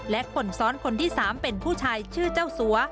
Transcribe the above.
และคนซ้อนคนที่๓เป็นผู้ชายชื่อเจ้าสัว